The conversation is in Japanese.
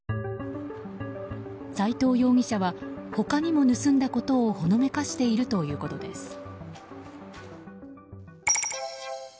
斎藤容疑者は他にも盗んだことをほのめかしているということです。